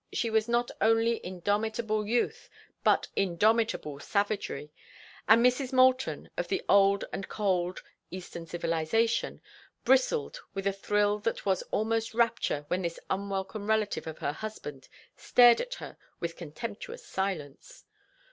She was not only indomitable youth but indomitable savagery, and Mrs. Moulton, of the old and cold Eastern civilization, bristled with a thrill that was almost rapture whenever this unwelcome relative of her husband stared at her in contemptuous silence.